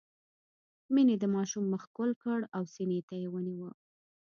مينې د ماشوم مخ ښکل کړ او سينې ته يې ونيوه.